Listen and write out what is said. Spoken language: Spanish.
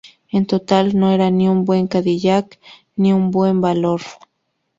En total, no era ni un buen Cadillac ni un buen valor.